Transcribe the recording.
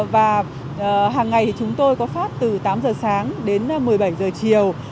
và hằng ngày thì chúng tôi có phát từ tám h sáng đến một mươi bảy h chiều